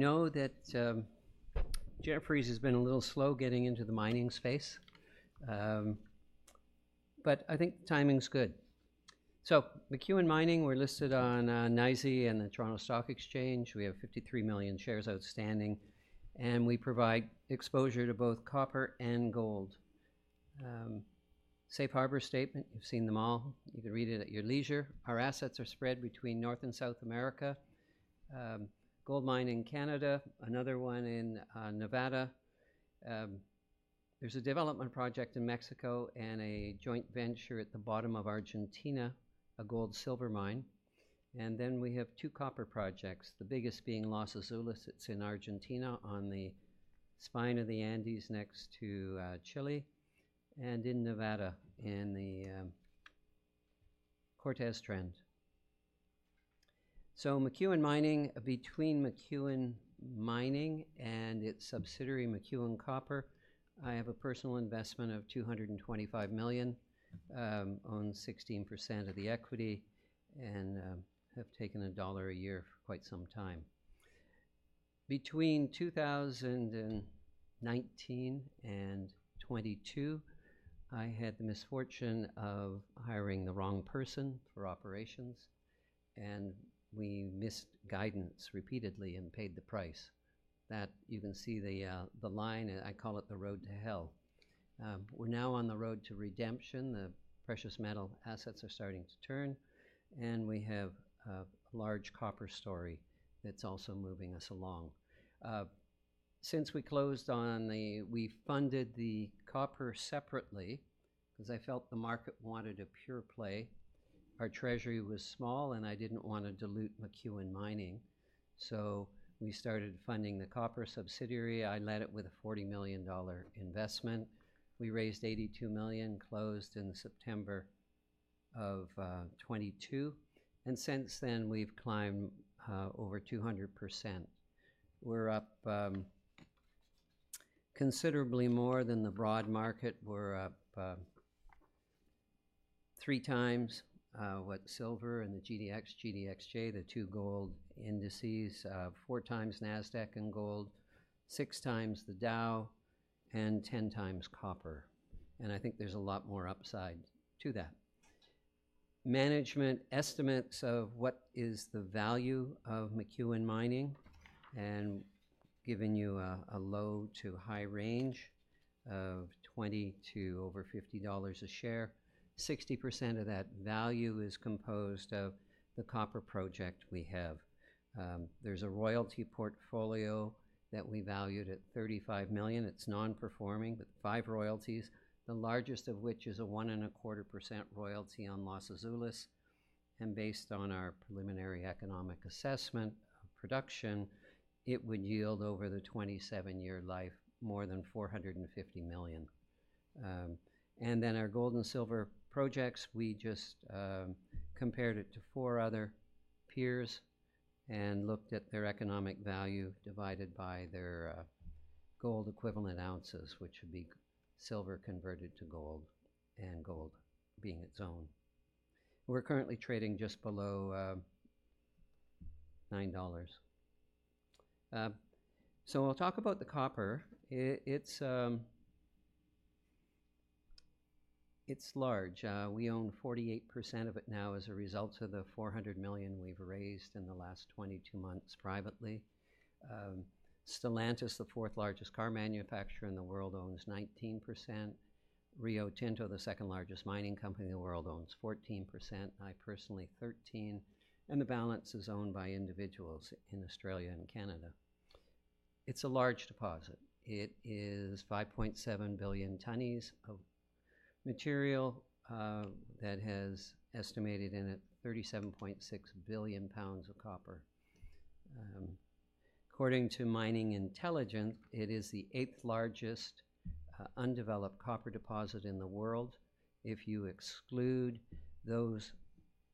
I know that, Jefferies has been a little slow getting into the mining space, but I think timing's good, so McEwen Mining, we're listed on NYSE and the Toronto Stock Exchange. We have 53 million shares outstanding, and we provide exposure to both copper and gold. Safe Harbor statement, you've seen them all. You can read it at your leisure. Our assets are spread between North and South America. Gold mine in Canada, another one in Nevada. There's a development project in Mexico and a joint venture at the bottom of Argentina, a gold-silver mine, and then we have two copper projects, the biggest being Los Azules. It's in Argentina, on the spine of the Andes, next to Chile and in Nevada, in the Cortez Trend. So McEwen Mining, between McEwen Mining and its subsidiary, McEwen Copper, I have a personal investment of $225 million, own 16% of the equity, and have taken $1 a year for quite some time. Between 2019 and 2022, I had the misfortune of hiring the wrong person for operations, and we missed guidance repeatedly and paid the price. You can see the line, I call it the road to hell. We're now on the road to redemption. The precious metal assets are starting to turn, and we have a large copper story that's also moving us along. Since we funded the copper separately, 'cause I felt the market wanted a pure play. Our treasury was small, and I didn't want to dilute McEwen Mining, so we started funding the copper subsidiary. I led it with a $40 million investment. We raised $82 million, closed in September of 2022, and since then, we've climbed over 200%. We're up considerably more than the broad market. We're up 3x what silver and the GDX, GDXJ, the two gold indices, 4x Nasdaq and gold, 6x the Dow, and 10x copper, and I think there's a lot more upside to that. Management estimates of what is the value of McEwen Mining and giving you a low to high range of $20 to over $50 a share. 60% of that value is composed of the copper project we have. There's a royalty portfolio that we valued at $35 million. It's non-performing, but five royalties, the largest of which is a 1.25% royalty on Los Azules, and based on our preliminary economic assessment of production, it would yield over the 27-year life, more than $450 million, and then our gold and silver projects, we just compared it to four other peers and looked at their economic value divided by their gold equivalent ounces, which would be silver converted to gold and gold being its own. We're currently trading just below $9, so I'll talk about the copper. It's large. We own 48% of it now as a result of the $400 million we've raised in the last 22 months privately. Stellantis, the fourth largest car manufacturer in the world, owns 19%. Rio Tinto, the second-largest mining company in the world, owns 14%. I personally, 13%, and the balance is owned by individuals in Australia and Canada. It's a large deposit. It is 5.7 billion tonnes of material that has estimated in it 37.6 billion lbs of copper. According to Mining Intelligence, it is the eighth largest undeveloped copper deposit in the world. If you exclude those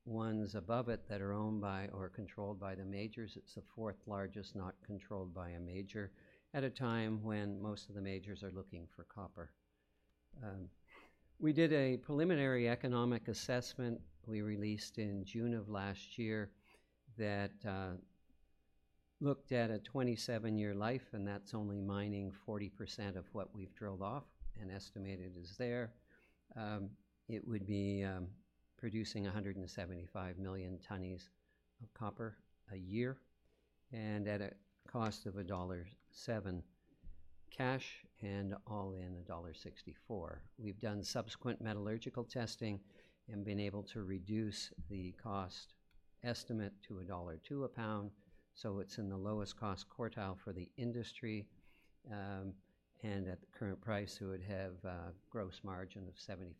ones above it that are owned by or controlled by the majors, it's the fourth largest, not controlled by a major, at a time when most of the majors are looking for copper. We did a preliminary economic assessment we released in June of last year that looked at a 27-year life, and that's only mining 40% of what we've drilled off and estimated is there. It would be producing 175 million tonnes of copper a year, and at a cost of $1.07 cash and all-in $1.64. We've done subsequent metallurgical testing and been able to reduce the cost estimate to $1.02 a pound, so it's in the lowest cost quartile for the industry, and at the current price, it would have a gross margin of 75%,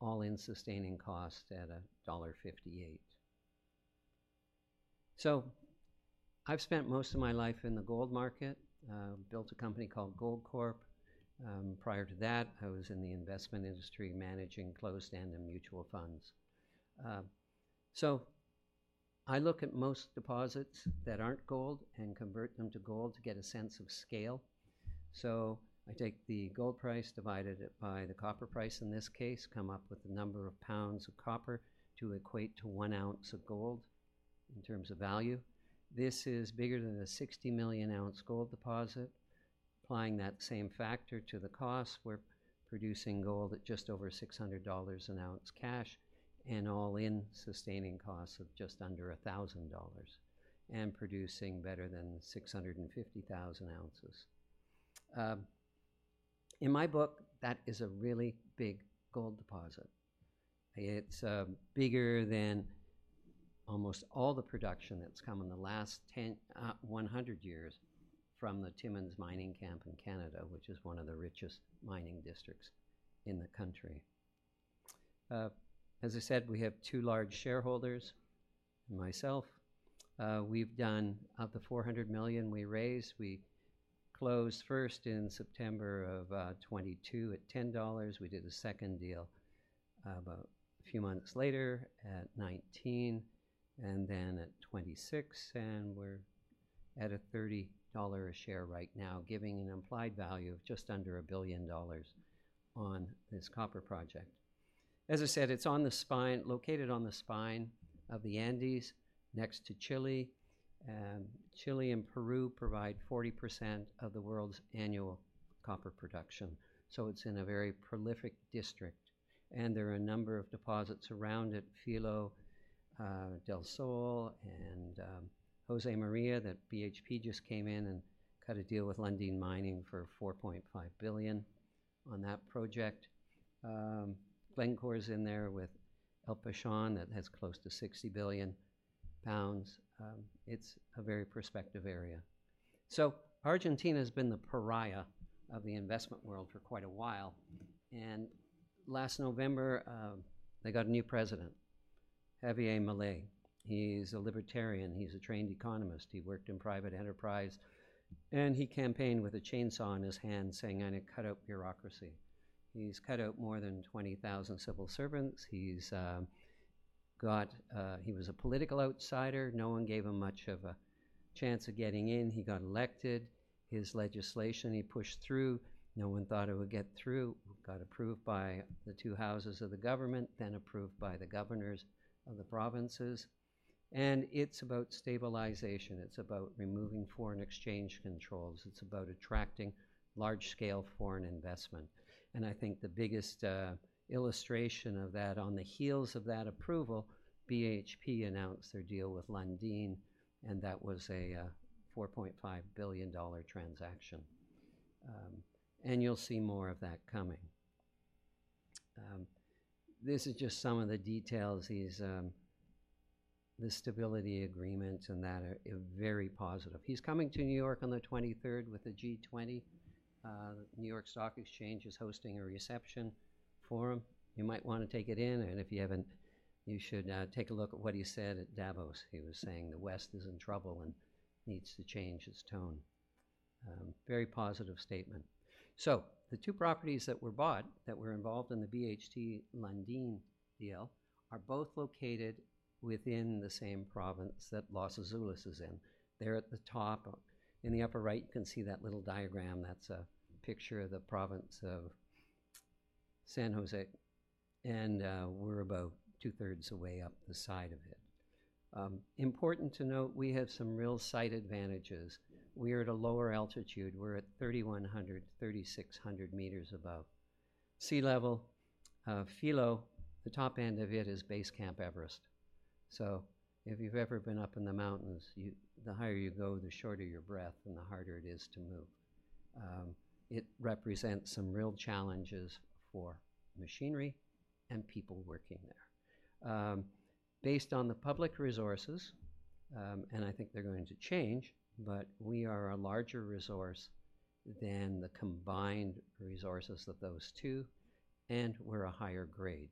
all-in sustaining cost at $1.58. I've spent most of my life in the gold market, built a company called Goldcorp. Prior to that, I was in the investment industry, managing closed-end and mutual funds, so I look at most deposits that aren't gold and convert them to gold to get a sense of scale. So I take the gold price, divide it by the copper price, in this case, come up with the number of pounds of copper to equate to one ounce of gold in terms of value. This is bigger than a 60 million ounce gold deposit. Applying that same factor to the cost, we're producing gold at just over $600 an ounce cash, and all in sustaining costs of just under $1,000, and producing better than 650,000 oz. In my book, that is a really big gold deposit. It's bigger than almost all the production that's come in the last 100 years from the Timmins mining camp in Canada, which is one of the richest mining districts in the country. As I said, we have two large shareholders and myself. We've done... Of the four hundred million we raised, we closed first in September of 2022 at $10. We did a second deal about a few months later at $19, and then at $26, and we're at a $30 a share right now, giving an implied value of just under $1 billion on this copper project. As I said, it's on the spine, located on the spine of the Andes next to Chile. Chile and Peru provide 40% of the world's annual copper production, so it's in a very prolific district, and there are a number of deposits around it, Filo del Sol and Josemaria, that BHP just came in and cut a deal with Lundin Mining for $4.5 billion on that project. Glencore is in there with El Pachón, that has close to 60 billion lbs. It's a very prospective area. So Argentina has been the pariah of the investment world for quite a while, and last November, they got a new president, Javier Milei. He's a libertarian, he's a trained economist. He worked in private enterprise, and he campaigned with a chainsaw in his hand saying, "I'm gonna cut out bureaucracy." He's cut out more than 20,000 civil servants. He's got. He was a political outsider. No one gave him much of a chance of getting in. He got elected. His legislation he pushed through, no one thought it would get through. It got approved by the two houses of the government, then approved by the governors of the provinces, and it's about stabilization. It's about removing foreign exchange controls. It's about attracting large-scale foreign investment. I think the biggest illustration of that, on the heels of that approval, BHP announced their deal with Lundin, and that was a $4.5 billion transaction. And you'll see more of that coming. This is just some of the details. These stability agreements and that are very positive. He's coming to New York on the twenty-third with the G20. New York Stock Exchange is hosting a reception for him. You might wanna take it in, and if you haven't, you should take a look at what he said at Davos. He was saying the West is in trouble and needs to change its tone. Very positive statement. So the two properties that were bought, that were involved in the BHP Lundin deal, are both located within the same province that Los Azules is in. They're at the top. In the upper right, you can see that little diagram. That's a picture of the province of San Juan, and we're about 2/3 of the way up the side of it. Important to note, we have some real site advantages. We're at a lower altitude. We're at 3,100 m-3,600 m above sea level. Filo, the top end of it is Base Camp Everest. So if you've ever been up in the mountains, you, the higher you go, the shorter your breath and the harder it is to move. It represents some real challenges for machinery and people working there. Based on the public resources, and I think they're going to change, but we are a larger resource than the combined resources of those two, and we're a higher grade,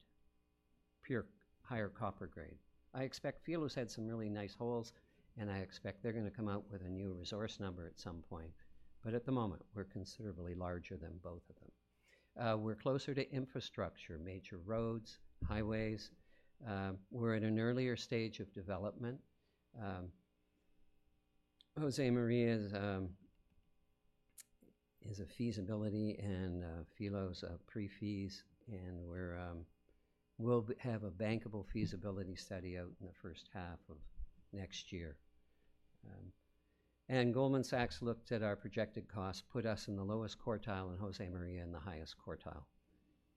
pure, higher copper grade. I expect Filo's had some really nice holes, and I expect they're gonna come out with a new resource number at some point, but at the moment, we're considerably larger than both of them. We're closer to infrastructure, major roads, highways. We're at an earlier stage of development. Josemaria's is a feasibility and Filo's a pre-feas, and we'll have a bankable feasibility study out in the first half of next year. Goldman Sachs looked at our projected costs, put us in the lowest quartile and Josemaria in the highest quartile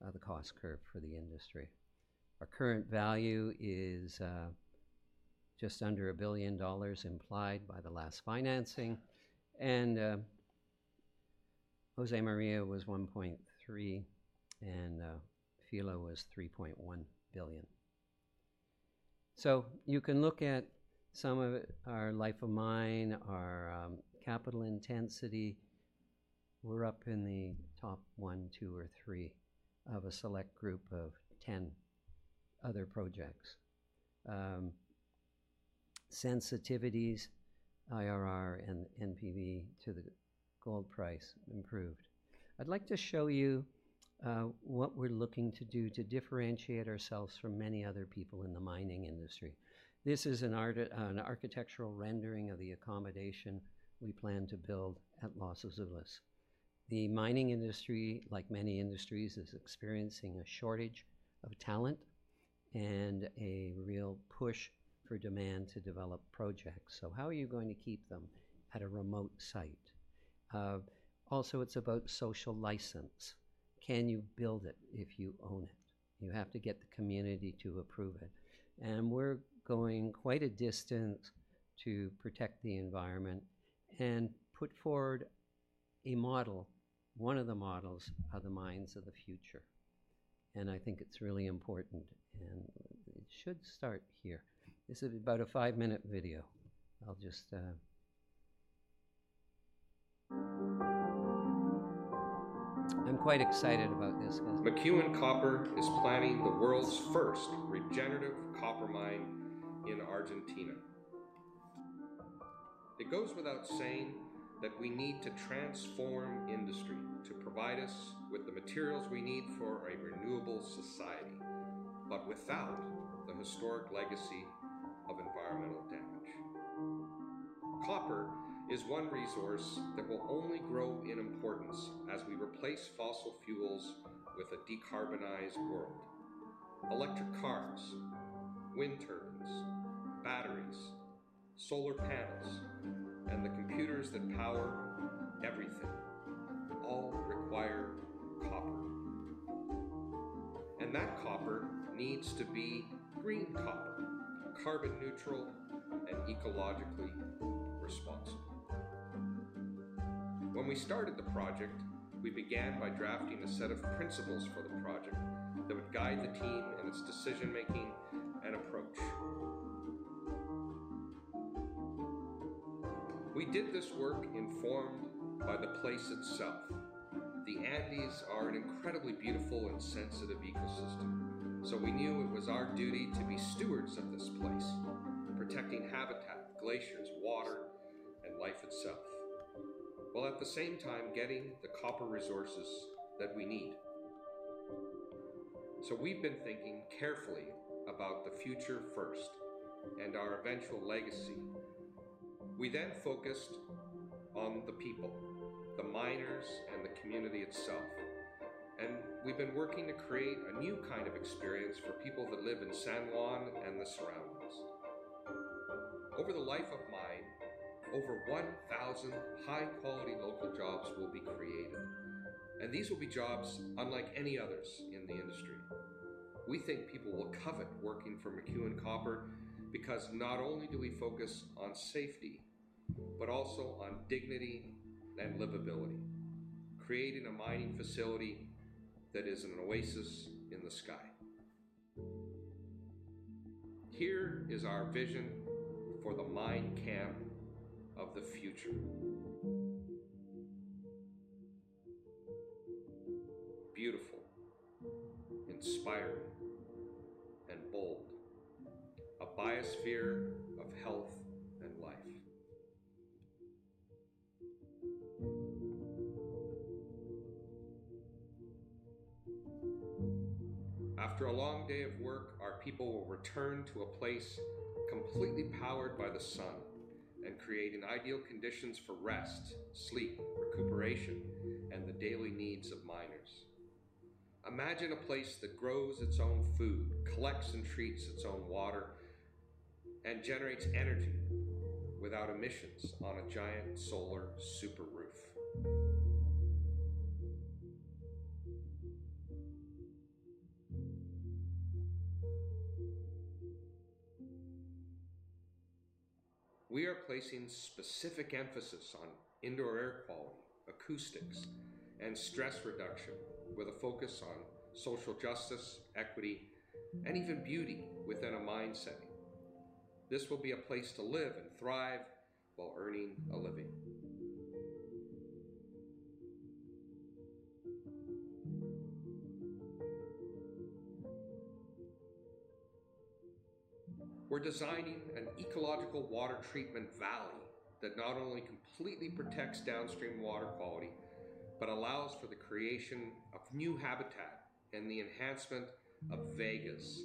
of the cost curve for the industry. Our current value is just under $1 billion, implied by the last financing, and Josemaria was $1.3 billion, and Filo was $3.1 billion. So you can look at some of it, our life of mine, our capital intensity. We're up in the top one, two, or three of a select group of ten other projects. Sensitivities, IRR and NPV to the gold price improve. I'd like to show you what we're looking to do to differentiate ourselves from many other people in the mining industry. This is an architectural rendering of the accommodation we plan to build at Los Azules. The mining industry, like many industries, is experiencing a shortage of talent and a real push for demand to develop projects. So how are you going to keep them at a remote site? Also, it's about social license. Can you build it if you own it? You have to get the community to approve it, and we're going quite a distance to protect the environment and put forward a model, one of the models of the mines of the future, and I think it's really important, and it should start here. This is about a five-minute video. I'll just, I'm quite excited about this, guys. McEwen Copper is planning the world's first regenerative copper mine in Argentina. It goes without saying that we need to transform industry to provide us with the materials we need for a renewable society, but without the historic legacy of environmental damage. Copper is one resource that will only grow in importance as we replace fossil fuels with a decarbonized world. Electric cars, wind turbines, batteries, solar panels, and the computers that power everything all require copper, and that copper needs to be green copper, carbon neutral and ecologically responsible. When we started the project, we began by drafting a set of principles for the project that would guide the team in its decision-making and approach. We did this work informed by the place itself. The Andes are an incredibly beautiful and sensitive ecosystem, so we knew it was our duty to be stewards of this place, protecting habitat, glaciers, water, and life itself, while at the same time getting the copper resources that we need. We've been thinking carefully about the future first and our eventual legacy. We then focused on the people, the miners, and the community itself, and we've been working to create a new kind of experience for people that live in San Juan and the surroundings. Over the life of mine, over one thousand high-quality local jobs will be created, and these will be jobs unlike any others in the industry. We think people will covet working for McEwen Copper because not only do we focus on safety, but also on dignity and livability, creating a mining facility that is an oasis in the sky. Here is our vision for the mine camp of the future. Beautiful, inspiring, and bold. A biosphere of health and life. After a long day of work, our people will return to a place completely powered by the sun and creating ideal conditions for rest, sleep, recuperation, and the daily needs of miners. Imagine a place that grows its own food, collects and treats its own water, and generates energy without emissions on a giant solar super roof. We are placing specific emphasis on indoor air quality, acoustics, and stress reduction, with a focus on social justice, equity, and even beauty within a mine setting. This will be a place to live and thrive while earning a living. We're designing an ecological water treatment valley that not only completely protects downstream water quality but allows for the creation of new habitat and the enhancement of vegas.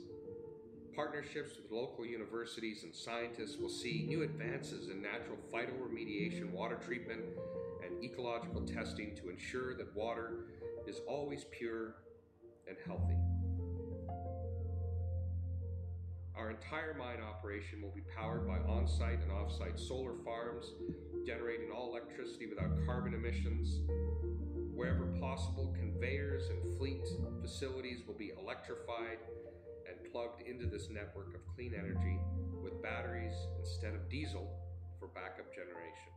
Partnerships with local universities and scientists will see new advances in natural phytoremediation, water treatment, and ecological testing to ensure that water is always pure and healthy. Our entire mine operation will be powered by on-site and off-site solar farms, generating all electricity without carbon emissions. Wherever possible, conveyors and fleet facilities will be electrified and plugged into this network of clean energy, with batteries instead of diesel for backup generation.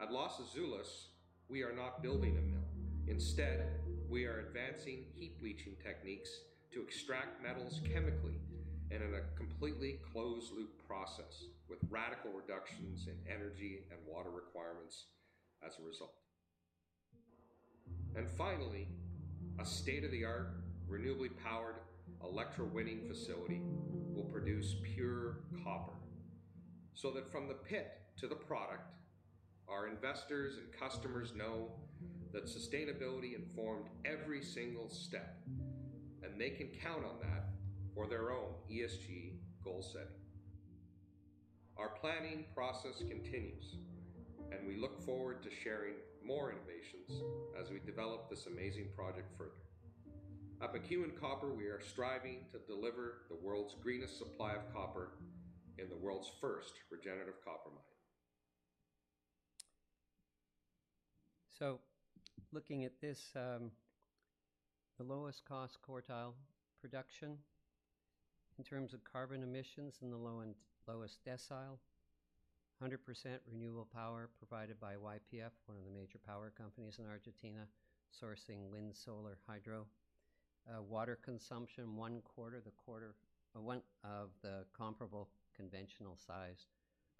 At Los Azules, we are not building a mill. Instead, we are advancing heap leaching techniques to extract metals chemically and in a completely closed-loop process, with radical reductions in energy and water requirements as a result, and finally, a state-of-the-art, renewably powered electrowinning facility will produce pure copper... So that from the pit to the product, our investors and customers know that sustainability informed every single step, and they can count on that for their own ESG goal setting. Our planning process continues, and we look forward to sharing more innovations as we develop this amazing project further. At McEwen Copper, we are striving to deliver the world's greenest supply of copper in the world's first regenerative copper mine. Looking at this, the lowest cost quartile production in terms of carbon emissions in the low and lowest decile. 100% renewable power provided by YPF, one of the major power companies in Argentina, sourcing wind, solar, hydro. Water consumption one quarter of the comparable conventional size.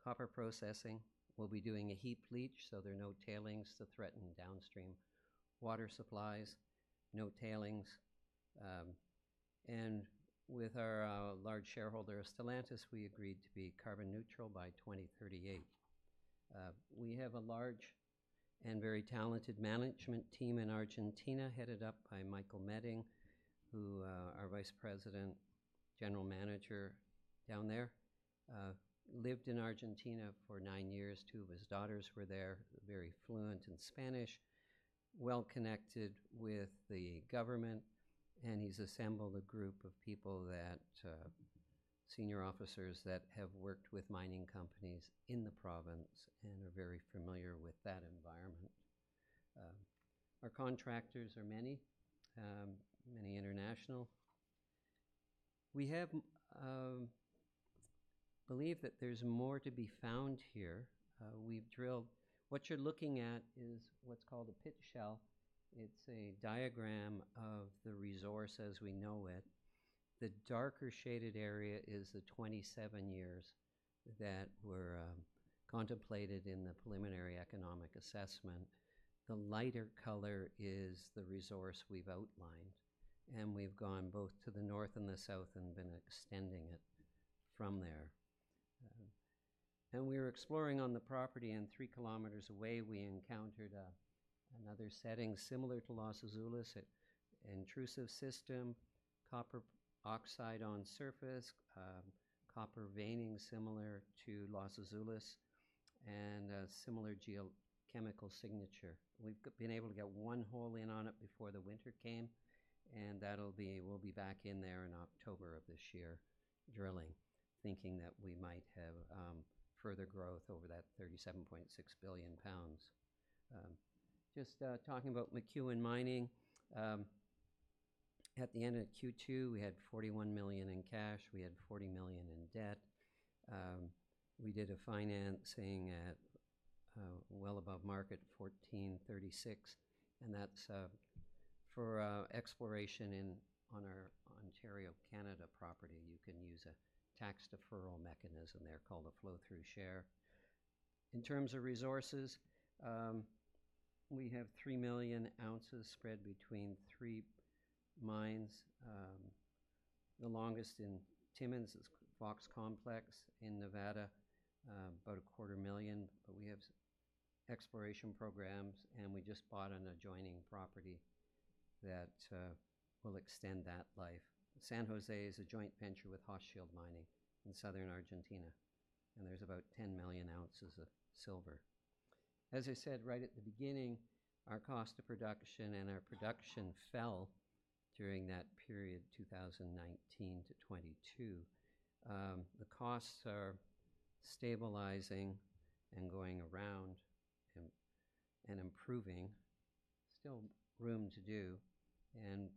Copper processing, we'll be doing a heap leach, so there are no tailings to threaten downstream water supplies, no tailings. With our large shareholder, Stellantis, we agreed to be carbon neutral by 2038. We have a large and very talented management team in Argentina, headed up by Michael Meding, who our Vice President, General manager down there. Lived in Argentina for nine years. Two of his daughters were there, very fluent in Spanish, well connected with the government, and he's assembled a group of people that senior officers that have worked with mining companies in the province and are very familiar with that environment. Our contractors are many, many international. We believe that there's more to be found here. We've drilled. What you're looking at is what's called a pit shell. It's a diagram of the resource as we know it. The darker shaded area is the 27 years that were contemplated in the preliminary economic assessment. The lighter color is the resource we've outlined, and we've gone both to the north and the south and been extending it from there. We were exploring on the property, and three kilometers away, we encountered another setting similar to Los Azules, an intrusive system, copper oxide on surface, copper veining similar to Los Azules, and a similar geochemical signature. We've been able to get one hole in on it before the winter came, and that'll be. We'll be back in there in October of this year, drilling, thinking that we might have further growth over that 37.6 billion pounds. Just talking about McEwen Mining. At the end of Q2, we had $41 million in cash, we had $40 million in debt. We did a financing at well above market, $14.36, and that's for exploration on our Ontario, Canada, property. You can use a tax deferral mechanism there called a flow-through share. In terms of resources, we have 3 million oz spread between three mines. The largest in Timmins is Fox Complex. In Nevada, about 250,000. But we have exploration programs, and we just bought an adjoining property that will extend that life. San José is a joint venture with Hochschild Mining in southern Argentina, and there's about 10 million oz of silver. As I said, right at the beginning, our cost of production and our production fell during that period, 2019-2022. The costs are stabilizing and going around and improving. Still room to do, and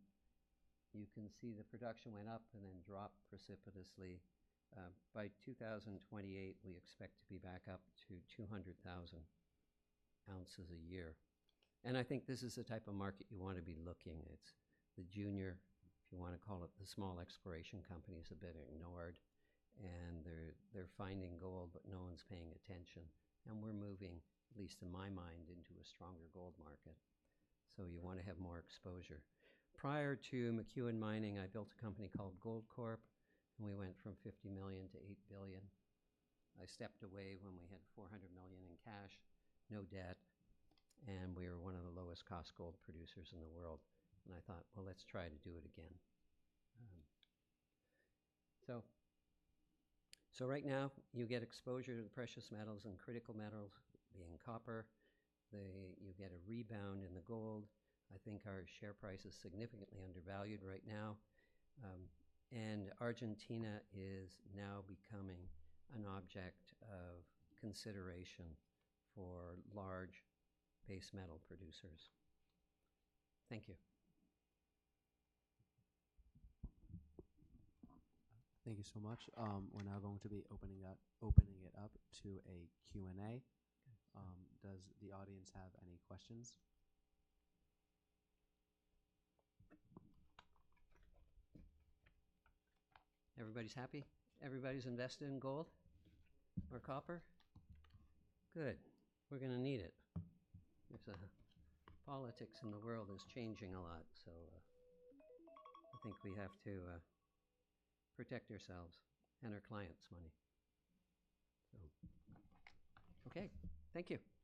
you can see the production went up and then dropped precipitously. By 2028, we expect to be back up to 200,000 oz a year. And I think this is the type of market you want to be looking. It's the junior, if you wanna call it, the small exploration companies have been ignored, and they're finding gold, but no one's paying attention. We're moving, at least in my mind, into a stronger gold market, so you wanna have more exposure. Prior to McEwen Mining, I built a company called Goldcorp, and we went from $50 million to $8 billion. I stepped away when we had $400 million in cash, no debt, and we were one of the lowest cost gold producers in the world. I thought, "Well, let's try to do it again." So right now, you get exposure to precious metals and critical metals, being copper. You get a rebound in the gold. I think our share price is significantly undervalued right now. Argentina is now becoming an object of consideration for large base metal producers. Thank you. Thank you so much. We're now going to be opening it up to a Q&A. Does the audience have any questions? Everybody's happy? Everybody's invested in gold or copper? Good. We're gonna need it. There's politics in the world is changing a lot, so, I think we have to protect ourselves and our clients' money. So okay, thank you.